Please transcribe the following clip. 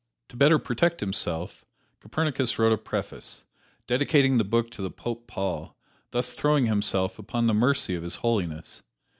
To better protect himself, Copernicus wrote a preface, dedicating the book to the Pope Paul, thus throwing himself upon the mercy of His Holiness.